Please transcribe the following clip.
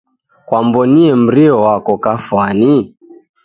Kwamw'onie mrio wako kafwani?